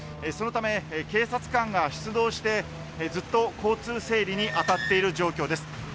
そのため警察官が出動してずっと交通整理に当たっています。